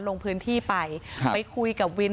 ลงพื้นที่ไปไปคุยกับวิน